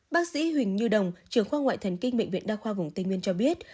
bác sĩ huỳnh như đồng trưởng khoa ngoại thần kinh bệnh viện đa khoa vùng tây nguyên cho biết